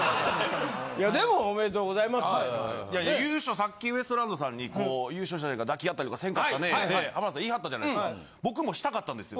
さっきウエストランドさんに優勝した時抱き合ったりとかせんかったねって浜田さん言いはったじゃないですか。